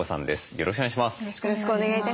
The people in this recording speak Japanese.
よろしくお願いします。